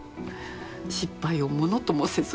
失敗をものともせず。